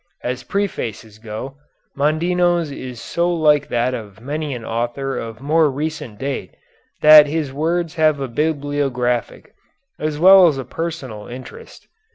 As prefaces go, Mondino's is so like that of many an author of more recent date that his words have a bibliographic, as well as a personal, interest.